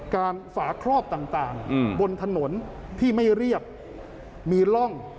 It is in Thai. ฝาครอบต่างบนถนนที่ไม่เรียบมีร่อง